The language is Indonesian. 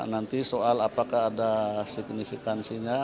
nanti soal apakah ada signifikansinya